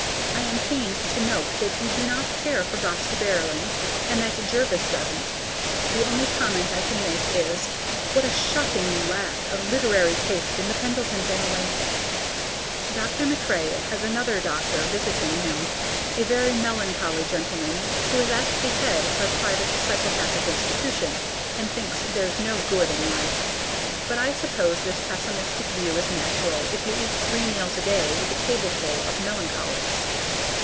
I am pained to note that you do not care for "Gosta Berling" and that Jervis doesn't. The only comment I can make is, "What a shocking lack of literary taste in the Pendleton family!" Dr. MacRae has another doctor visiting him, a very melancholy gentleman who is at the head of a private psychopathic institution, and thinks there's no good in life. But I suppose this pessimistic view is natural if you eat three meals a day with a tableful of melancholics.